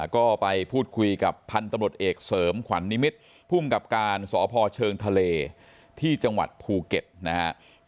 ก็ไปพูดคุยกับพันธุ์ตำรวจเอกเสริมขวัญนิมิตรภูมิกับการสพเชิงทะเลที่จังหวัดภูเก็ตนะครับ